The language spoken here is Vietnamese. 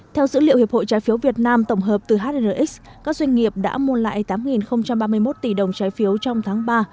theo dữ liệu hiệp hội trái phiếu việt nam tổng hợp từ hnrx các doanh nghiệp đã mua lại tám ba mươi một tỷ đồng trái phiếu trong tháng ba